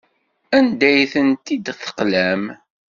Anda ay tent-id-teqlam?